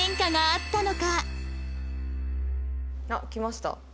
あっ来ました。